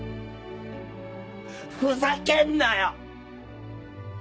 ふざけんなよ！